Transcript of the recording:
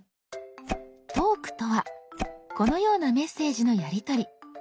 「トーク」とはこのようなメッセージのやりとり。